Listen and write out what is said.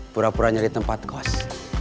pura pura nyari tempat kos